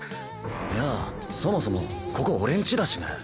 いやそもそもここ俺ん家だしね。